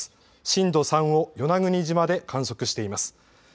震度３を与那国島で観測しています。